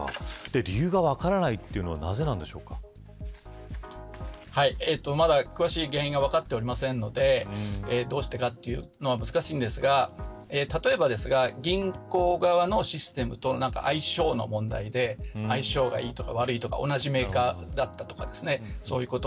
理由が分からないというのはまだ詳しい原因が分かっておりませんのでどうしてかというのは難しいんですが例えば、銀行側のシステムと相性の問題で相性がいいとか悪いとか同じメーカーだったとかそういうこと。